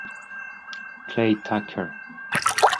Clay Tucker